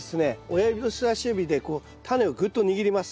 親指と人さし指でタネをぐっと握ります。